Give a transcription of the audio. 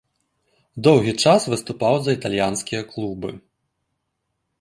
Доўгі час выступаў за італьянскія клубы.